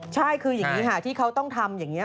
ใช่คืออย่างนี้ค่ะที่เขาต้องทำอย่างนี้